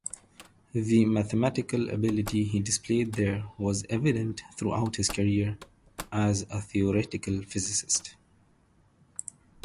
The mathematical ability he displayed there was evident throughout his career as theoretical physicist.